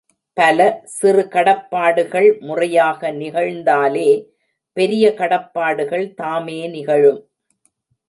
பல, சிறு கடப்பாடுகள் முறையாக நிகழ்ந்தாலே பெரிய கடப்பாடுகள் தாமே நிகழும்.